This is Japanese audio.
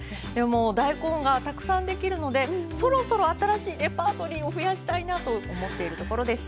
大根がたくさんできるのでそろそろ新しいレパートリーも増やしたいなと思っているところでした。